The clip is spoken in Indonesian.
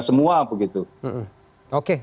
semua begitu oke